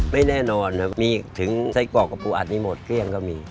ไม่แน่นอนมีถึงใช้กรอกกระปูอัดไม่หมดเครี่ยงก็มี